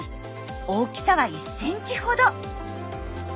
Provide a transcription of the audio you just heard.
大きさは１センチほど。